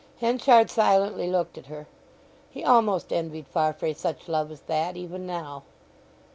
Henchard silently looked at her: he almost envied Farfrae such love as that, even now.